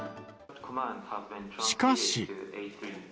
しかし。